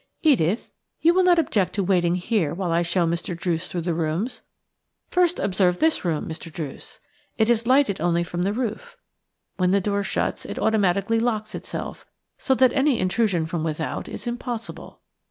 Edith, you will not object to waiting here while I show Mr. Druce through the rooms. First observe this room, Mr. Druce. It is lighted only from the roof. When the door shuts it automatically locks itself, so that any intrusion from without is impossible.